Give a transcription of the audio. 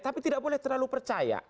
tapi tidak boleh terlalu percaya